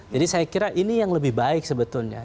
jadi saya kira ini yang lebih baik sebetulnya